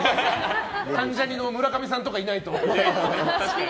関ジャニの村上さんとかがいないと。